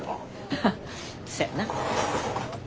ハハそやな。